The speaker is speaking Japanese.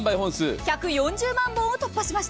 １４０万本を突破しました。